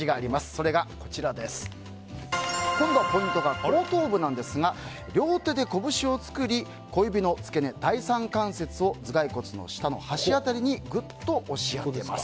それが、今度はポイントが後頭部なんですが両手で拳を作り小指の付け根、第３関節を頭蓋骨の下の端辺りにグッと押し当てます。